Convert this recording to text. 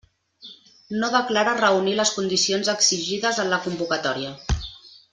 No declara reunir les condicions exigides en la convocatòria.